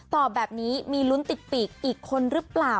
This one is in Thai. ตอบแบบนี้มีลุ้นติดปีกอีกคนหรือเปล่า